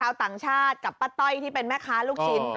ต่างชาติกับป้าต้อยที่เป็นแม่ค้าลูกชิ้น